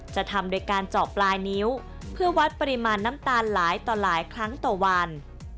จะทำโดยการเจาะปลายนิ้วเพื่อวัดปริมาณน้ำตาลหลายต่อหลายครั้งต่อวัน